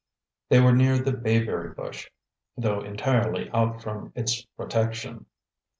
They were near the bayberry bush, though entirely out from its protection.